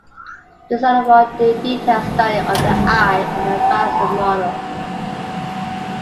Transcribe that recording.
This allowed for detailed study of the eye and an advanced model.